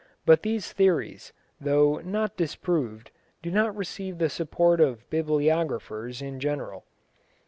But these theories, though not disproved, do not receive the support of bibliographers in general.